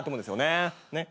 ねっ？